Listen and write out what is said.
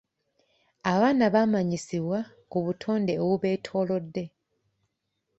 Abaana bamanyisibwa ku butonde obubeetoolodde.